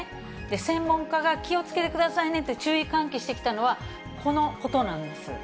専門家が気をつけてくださいねと注意喚起してきたのは、このことなんです。